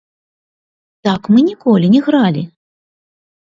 Так мы ніколі не гралі.